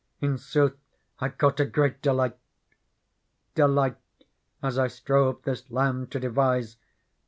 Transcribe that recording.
In sooth I caught a great delight. Delight, as I strove this Lamb to devise.